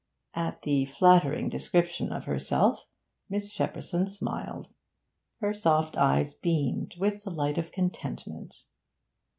At the flattering description of herself Miss Shepperson smiled; her soft eyes beamed with the light of contentment.